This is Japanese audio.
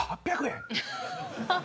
８００円。